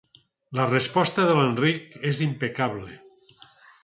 La resposta de l'Enric és impecable.